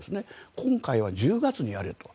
今回は１０月にやると。